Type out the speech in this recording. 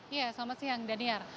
iya selamat siang dania